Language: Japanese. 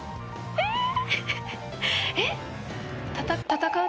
えっ？